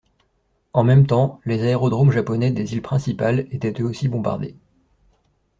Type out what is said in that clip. En même temps, les aérodromes japonais des îles principales étaient eux aussi bombardés.